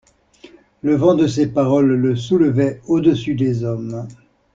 Le vent de ses paroles le soulevait au-dessus des hommes.